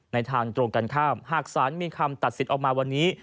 ในทางตรงกันข้ามหากสารมีคำตัดสินออกมาวันนี้